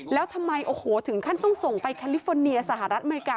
แล้วทำไมโอ้โหถึงขั้นต้องส่งไปแคลิฟอร์เนียสหรัฐอเมริกา